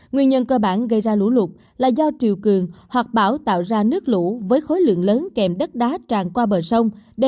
nguyên nhân cơ bản gây ra lũ lụt là do triều cường hoặc bão tạo ra nước lũ với khối lượng lớn kèm đất đá tràn qua bờ sông